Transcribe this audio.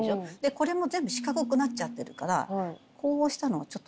これも全部四角くなっちゃってるからこうしたのをちょっと。